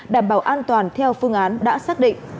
đảm bảo an toàn theo phương án đã xác định